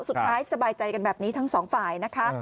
สุดท้ายสบายใจกันแบบนี้ทั้งสองฝ่ายนะคะ